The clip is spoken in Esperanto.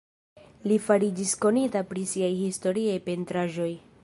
Li fariĝis konita pri siaj historiaj pentraĵoj.